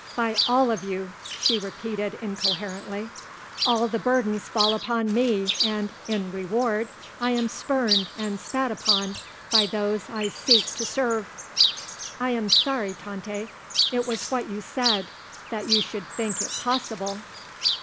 by all of you!" she repeated incoherently. "All the burdens fall upon me and, in reward, I am spurned and spat upon by those I seek to serve!" "I am sorry, Tante. It was what you said. That you should think it possible."